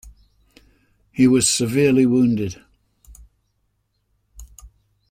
He was severely wounded.